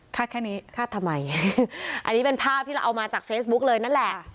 แค่นี้คาดทำไมอันนี้เป็นภาพที่เราเอามาจากเฟซบุ๊กเลยนั่นแหละ